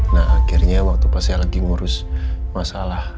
nah akhirnya waktu pas saya lagi ngurus masalah